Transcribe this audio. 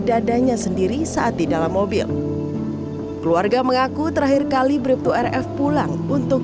dadanya sendiri saat di dalam mobil keluarga mengaku terakhir kali bripto rf pulang untuk